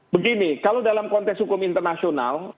begini kalau dalam konteks hukum internasional